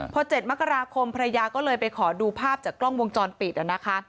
พอ๗มกราคมภรรยาก็เลยไปขอดูภาพจากกล้องวงจรปิดนะคะ